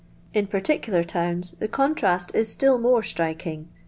In particular towna the contrast is still more striking.